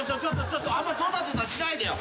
ちょっとあんまドタドタしないでよ。